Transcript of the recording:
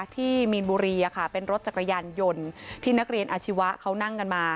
ที่มีนบุรีเป็นรถจักรยานยนต์ที่นักเรียนอาชีวะเขานั่งกันมา